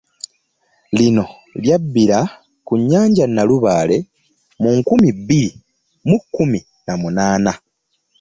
Lino lyabbira ku nnyanja Nalubaale mu nkumi bbiri mu kkumi na munaana.